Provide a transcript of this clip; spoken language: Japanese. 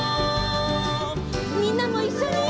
みんなもいっしょに！